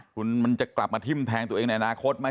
คุณมันจะกลับมาทิ้มแทงตัวเองในอนาคตไหม